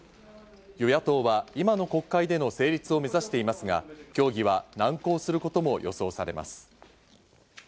与野党は今の国会での成立を目指していますが、協議は難航することも予想されます。